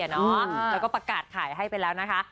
แล้วก็ประกาศขายให้ไปแล้วนะคะ